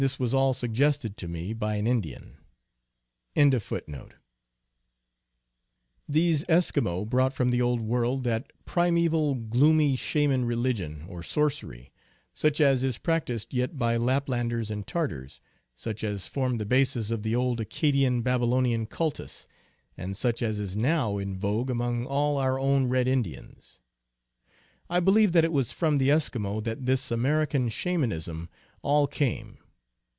l These Eskimo brought from the Old World that primeval gloomy Shaman religion, or sorcery, such as is practiced yet by Laplanders and Tartars, such as formed the basis of the old Accadian Babylo nian cultus, and such as is now in vogue among all our own red Indians. I believe that it was from the Eskimo that this American Shamanism all came.